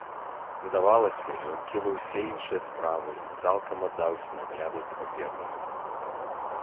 Здавалася, ён кінуў усе іншыя справы і цалкам аддаўся нагляду за паперняю.